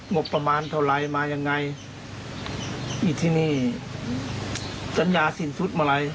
งบประมาณเท่าไรมายังไงอยู่ที่นี่สัญญาสินสุดเมื่อไหร่